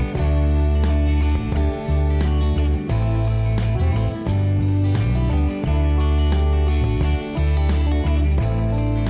hẹn gặp lại